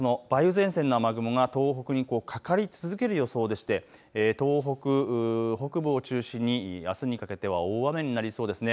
前線の雨雲が東北にかかり続ける予想でして東北、北部を中心にあすにかけては大雨になりそうです。